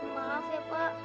maaf ya pak